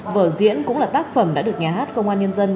vở diễn cũng là tác phẩm đã được nhà hát công an nhân dân